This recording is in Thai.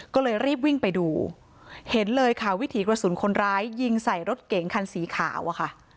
ก็เลยรีบวิ่งไปดูเห็นเลยค่ะวิถีกระสุนคนร้ายยิงใส่รถเก๋งคันสีขาวอะค่ะ